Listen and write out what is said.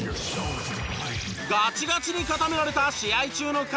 ガチガチに固められた試合中の髪型！